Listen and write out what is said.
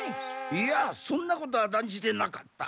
いやそんなことは断じてなかった。